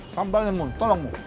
sambalnya mun tolong mun